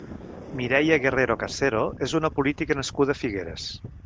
Mireia Guerrero Casero és una política nascuda a Figueres.